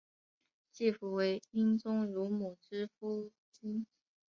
季福为英宗乳母之夫君。